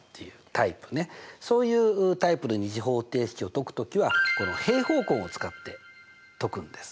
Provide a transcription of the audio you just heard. そういうタイプの２次方程式を解く時はこの平方根を使って解くんです。